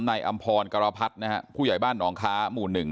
นายอัมพรกรพัศนะครับ